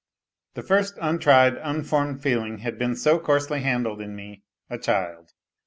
The first untried, unformed feeling had Ut coarsely handled in me, a child.